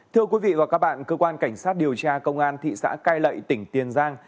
thưa quý vị và các bạn cơ quan cảnh sát điều tra công an thị xã cai lậy tỉnh tiền giang